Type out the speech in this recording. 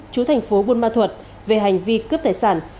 chú thành phố buôn ma thuật về hành vi cướp tài sản